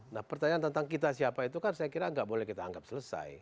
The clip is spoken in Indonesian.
nah pertanyaan tentang kita siapa itu kan saya kira nggak boleh kita anggap selesai